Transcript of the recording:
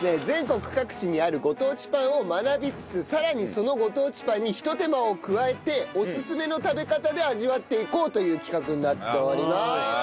全国各地にあるご当地パンを学びつつさらにそのご当地パンにひと手間を加えておすすめの食べ方で味わっていこうという企画になっております。